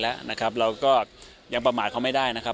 และเราก็ยังประมาณไม่ได้ได้นะครับ